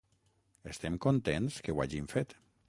Estem contents que ho hagin fet.